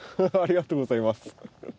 ありがとうございます。